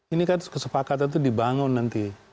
ini kan kesepakatan itu dibangun nanti